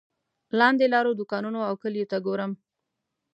لاندې لارو دوکانونو او کلیو ته ګورم.